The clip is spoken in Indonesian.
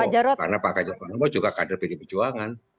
karena pak ganjar pranowo juga kader bd perjuangan